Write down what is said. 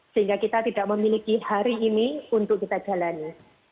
sehingga kita tidak memiliki hari ini untuk kita jalani